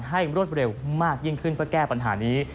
รวดเร็วมากยิ่งขึ้นเพื่อแก้ปัญหานี้